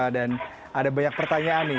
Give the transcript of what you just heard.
dan ada banyak pertanyaan nih